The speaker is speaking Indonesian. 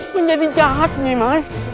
menjadi jahat nih mas